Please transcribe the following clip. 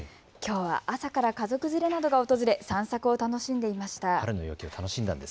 きょうは朝から家族連れなどが訪れ散策を楽しんでいました。